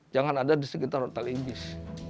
jangan ada di sekitar hotel ibis